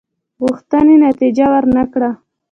غوښتنې نتیجه ورنه کړه.